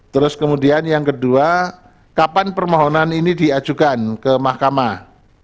terus kemudian yang kedua kapan permohonan ini diajukan ke mahkamah